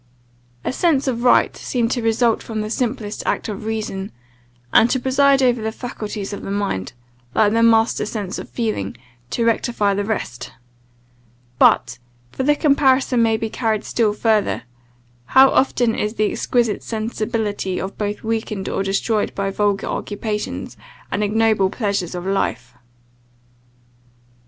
A sense of right seems to result from the simplest act of reason, and to preside over the faculties of the mind, like the master sense of feeling, to rectify the rest; but (for the comparison may be carried still farther) how often is the exquisite sensibility of both weakened or destroyed by the vulgar occupations, and ignoble pleasures of life?